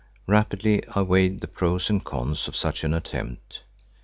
Rapidly I weighed the pros and cons of such an attempt.